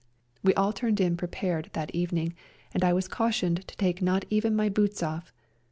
We all turned in prepared that evening, and I was cautioned to take not even my boots off.